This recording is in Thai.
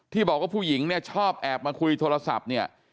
บอกว่าผู้หญิงเนี่ยชอบแอบมาคุยโทรศัพท์เนี่ย